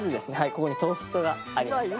ここにトーストがあります。